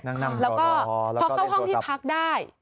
นั่งนั่งรอแล้วก็เล่นโทรศัพท์พอเข้าห้องที่พักได้